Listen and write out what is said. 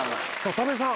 多部さん